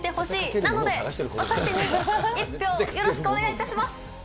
なので、私に１票をよろしくお願いいたします。